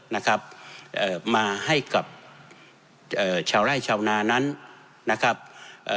นะครับเอ่อมาให้กับเอ่อชาวไร่ชาวนานั้นนะครับเอ่อ